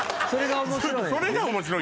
それが面白い。